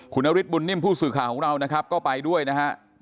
คุณนฤทธบุญนิ่มผู้สื่อข่าวของเรานะครับก็ไปด้วยนะฮะ